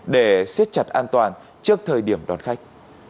để siết chặt an toàn trước thời điểm đón khách